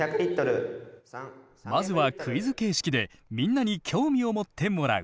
まずはクイズ形式でみんなに興味を持ってもらう。